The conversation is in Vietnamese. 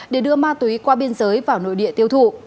để đưa ma túy qua biên giới vào nội địa tiêu thụ